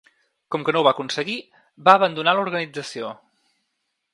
Com que no ho va aconseguir, va abandonar l’organització.